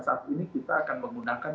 saat ini kita akan menggunakan